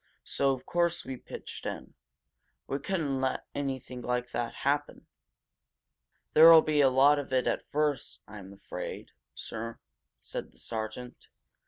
"So of course we pitched in. We couldn't let anything like that happen." "There'll be a lot of it at first, I'm afraid, sir," said the sergeant.